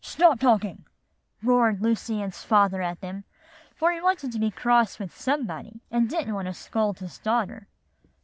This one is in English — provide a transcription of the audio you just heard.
"'Stop talking,' roared Lucy Ann's father at them; for he wanted to be cross with somebody, and he didn't want to scold his daughter.